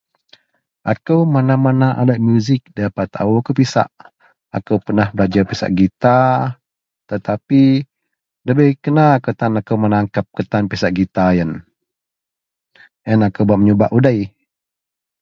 Akou mana-mana alat muzik nda berapa taao akou pisak, akou pernah belajer pisak gita tetapi nda bei kena kawak tan akou menangkep ketan pisak gita yen. Yen akou bak menyubak udei